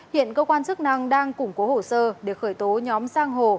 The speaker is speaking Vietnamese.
hiện cơ quan chức năng đang củng cố hồ sơ để khởi tố nhóm giang hồ